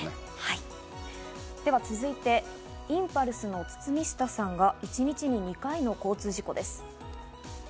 続いてはインパルスの堤下さんが一日に２回の交通事故です。